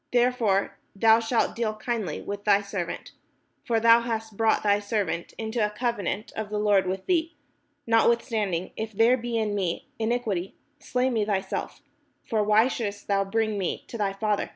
Therefore thou shalt deal kindly with thy servant ; for thou hast brought thy servant into a covenant of the Lord with thee: notwithstanding, if there be in me in iquity, slay me thyself; for why shouldest thou bring me to thy father?"